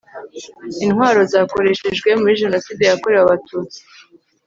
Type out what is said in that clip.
intwaro zakoreshejwe muri jenoside yakorewe abatutsi